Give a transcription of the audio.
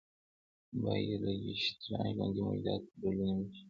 بایولوژېسټان ژوندي موجودات په ډولونو وېشي.